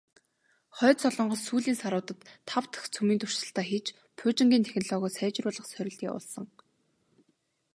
Хойд Солонгос сүүлийн саруудад тав дахь цөмийн туршилтаа хийж, пуужингийн технологио сайжруулах сорилт явуулсан.